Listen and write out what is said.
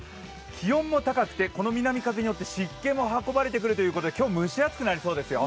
気温も高くて、この南風によって湿気も運ばれてくるということで今日、蒸し暑くなりそうですよ。